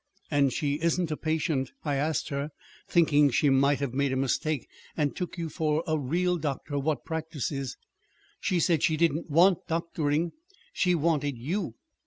And she isn't a patient. I asked her, thinking she might have made a mistake and took you for a real doctor what practices. She said she didn't want doctoring. She wanted you.